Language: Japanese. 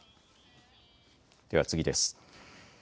では次です。